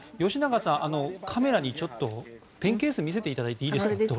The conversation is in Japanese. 吉永さん、カメラにちょっとペンケースを見せていただいていいですか？